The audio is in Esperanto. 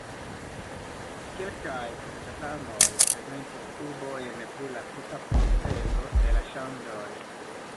Kelkaj komitatanoj prezentis dubojn pri la tuta procezo de la ŝanĝoj.